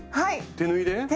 手縫いで！